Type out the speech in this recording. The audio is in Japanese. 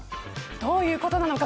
どういうことなのか